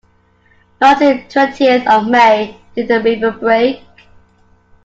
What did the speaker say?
Not till the twentieth of May did the river break.